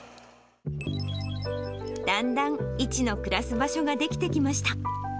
だんだんイチの暮らす場所が出来てきました。